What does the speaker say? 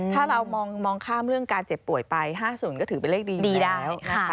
ถ้าเรามองข้ามเรื่องการเจ็บป่วยไป๕๐ก็ถือเป็นเลขดีได้นะคะ